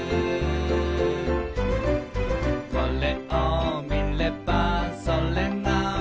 「これを見ればそれが分かる」